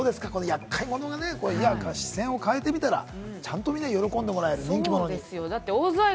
厄介者がね、視線を変えてみたら、みんなに喜んでもらえる人気者に。